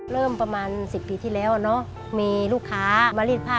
เริ่มประมาณ๑๐ปีที่แล้วเนอะมีลูกค้ามารีดผ้า